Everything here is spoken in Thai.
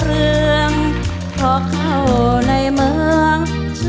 ร้องได้ให้ร้าง